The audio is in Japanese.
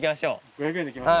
５００円で行きます。